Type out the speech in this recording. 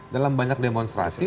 dalam banyak demonstrasi